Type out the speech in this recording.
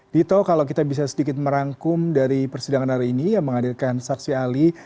dito kalau kita bisa sedikit merangkum dari persidangan hari ini yang menghadirkan saksi ahli